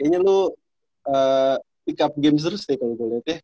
kayaknya lu pick up game terus nih kalau gua lihat ya